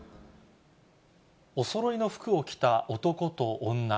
おそろいの服を着た男と女。